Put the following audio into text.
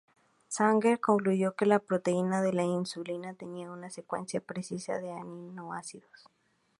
Sanger concluyó que la proteína de la insulina tenía una secuencia precisa de aminoácidos.